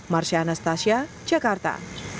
marsya anastasia jakarta